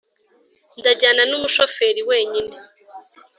ndajyana numu shoferi wenyine"